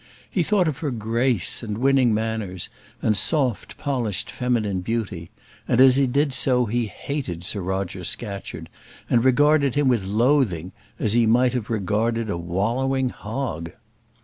He thought of her grace, and winning manners, and soft, polished feminine beauty; and, as he did so, he hated Sir Roger Scatcherd, and regarded him with loathing, as he might have regarded a wallowing hog.